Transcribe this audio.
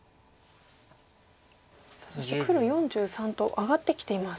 そして黒４３と上がってきています。